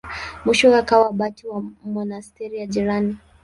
Mwishowe akawa abati wa monasteri ya jirani.